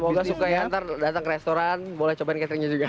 semoga suka ya nanti datang ke restoran boleh cobain cateringnya juga